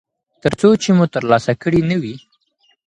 ترڅو چې مو ترلاسه کړی نه وي.